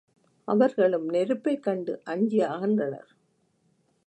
அவர்களும் நெருப்பைக் கண்டு அஞ்சி அகன்றனர்.